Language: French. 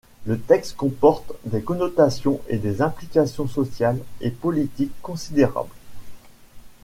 Le texte comporte des connotations et des implications sociales et politiques considérables.